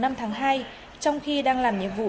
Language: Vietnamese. năm tháng hai trong khi đang làm nhiệm vụ